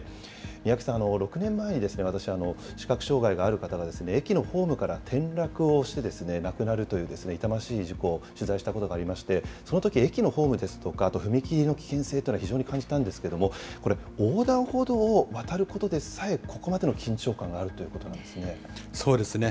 三宅さん、６年前に私、視覚障害のある方が駅のホームから転落をして、亡くなるという痛ましい事故、取材したことがありまして、そのとき駅のホームですとか、踏切の危険性というのは非常に感じたんですけれども、これ、横断歩道を渡ることでさえ、ここまでの緊張感があるということなんですそうですね。